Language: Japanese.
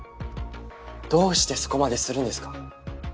どうしてそこまでするんですか？